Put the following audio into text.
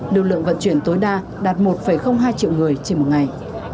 lưu lượng vận chuyển tối đa đạt một hai triệu người trên một ngày